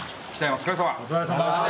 お疲れさま。